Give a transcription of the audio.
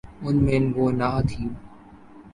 ان میں وہ نہ تھی۔